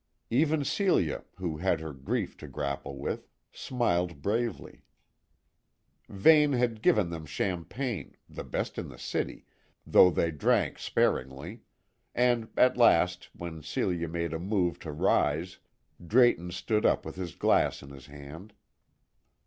Even Celia, who had her grief to grapple with, smiled bravely. Vane had given them champagne, the best in the city, though they drank sparingly; and at last, when Celia made a move to rise, Drayton stood up with his glass in his hand.